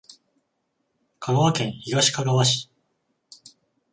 香川県東かがわ市